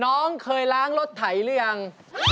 น้องเคยล้างรถไถหรือยัง